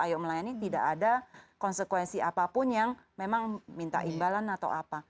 ayo melayani tidak ada konsekuensi apapun yang memang minta imbalan atau apa